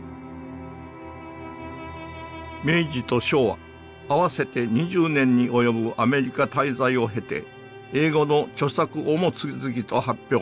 明治と昭和合わせて２０年に及ぶアメリカ滞在を経て英語の著作をも次々と発表。